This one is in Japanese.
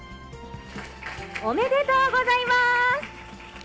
おめでとうございます。